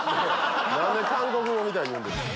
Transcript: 何で韓国語みたいに言うんですか！